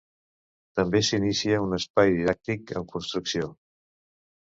També s'inicia un espai didàctic en construcció.